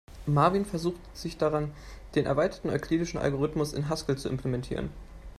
Marvin versucht sich daran, den erweiterten euklidischen Algorithmus in Haskell zu implementieren.